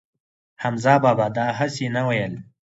حمزه بابا دا هسې نه وييل